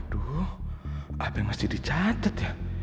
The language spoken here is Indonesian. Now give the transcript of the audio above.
aduh apa yang masih dicatat ya